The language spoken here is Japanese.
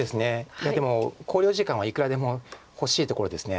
いやでも考慮時間はいくらでも欲しいところです。